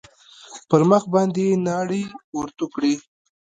پر مخ باندې يې ناړې ورتو کړې.